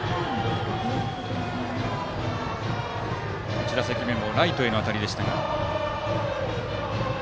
１打席目はライトへの当たりでした。